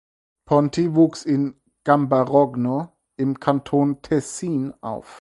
Ponti wuchs in Gambarogno im Kanton Tessin auf.